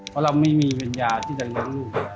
เพราะเราไม่มีวิญญาณที่จะเลี้ยงลูก